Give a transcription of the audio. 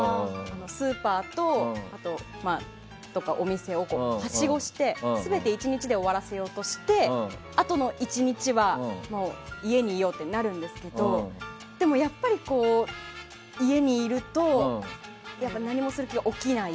スーパーとかお店をはしごして全て１日で終わらせようとしてあとの１日は家にいようってなるんですけどでも、やっぱり家にいると何もする気が起きない。